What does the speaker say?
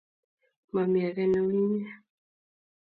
Momi ake neuinye